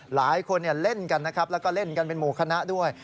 หลายคนเล่นกันนะครับแล้วก็เล่นกันเป็นหมู่คณะด้วย